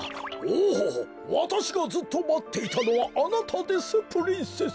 おおわたしがずっとまっていたのはあなたですプリンセス。